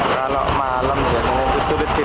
kalau malam biasanya itu sulit sih